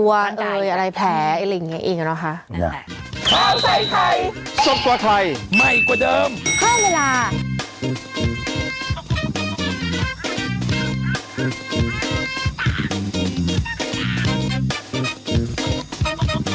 ตัวอะไรแผลไอ้ลิงอย่างนี้เองเนอะค่ะ